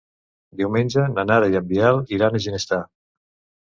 Diumenge na Nara i en Biel iran a Ginestar.